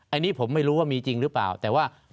อันนี้ผมไม่รู้ว่ามีจริงหรือเปล่าแต่ว่า